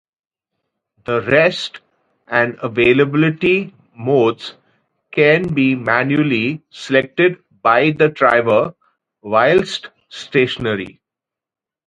The rest and availability modes can be manually selected by the driver whilst stationary.